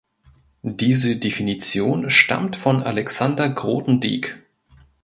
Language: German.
Diese Definition stammt von Alexander Grothendieck.